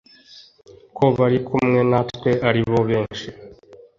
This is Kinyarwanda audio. ko abari kumwe natwe ari bo benshi